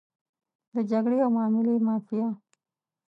د جګړې او معاملې مافیا.